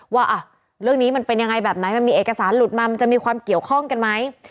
ว่าเรื่องนี้มันเป็นยังไงแบบไหนมันมีเอกสารหลุดมามันจะมีความเกี่ยวข้องกันไหม